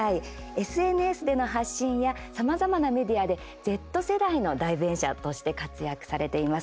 ＳＮＳでの発信やさまざまなメディアでＺ世代の代弁者として活躍されています。